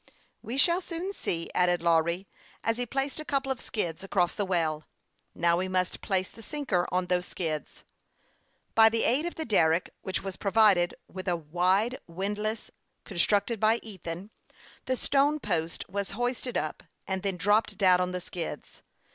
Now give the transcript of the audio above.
". We shall soon see," added Lawry, as he placed a couple of skids across the " well," as they had named the aperture in the raft. " Xow we must place the sinker oa those skids." By the aid of the derrick, which was provided with a rude windlass, constructed by Ethan, the stone post was hoisted up, and then dropped down on the skids.